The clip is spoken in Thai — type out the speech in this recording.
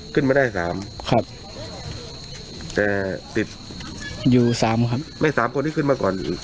ขึ้นมาได้สามครับแต่ติดอยู่สามครับไม่สามคนที่ขึ้นมาก่อน